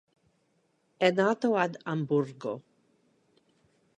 È nato ad Amburgo.